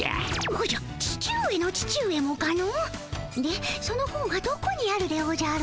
おじゃ父上の父上もかの？でその本はどこにあるでおじゃる？